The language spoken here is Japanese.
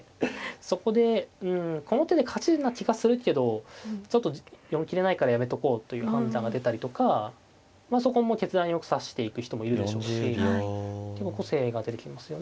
そこでうんこの手で勝ちな気がするけどちょっと読み切れないからやめとこうという判断が出たりとかまあそこはもう決断よく指していく人もいるでしょうし結構個性が出てきますよね